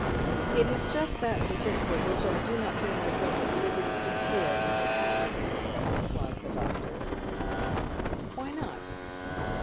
" It is just that certificate which I do not feel myself at liberty to give until after the inquest," replies the doctor. "Why not?"